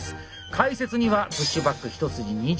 解説にはプッシュバック一筋２４年。